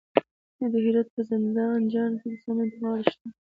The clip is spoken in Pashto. د هرات په زنده جان کې د سمنټو مواد شته.